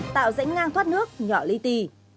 tạo rãnh ngang thoát nước nhỏ ly tì